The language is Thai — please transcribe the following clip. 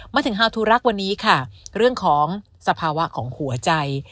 มาถึงฮาทูรักวันนี้ค่ะเรื่องของสภาวะของหัวใจ